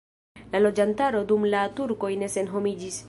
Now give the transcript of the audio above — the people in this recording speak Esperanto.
La loĝantaro dum la turkoj ne senhomiĝis.